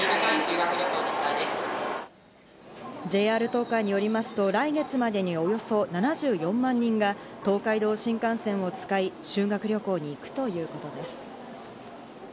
ＪＲ東海によりますと、来月までにおよそ７４万人が東海道新幹線を使い、修学旅行に行くということです。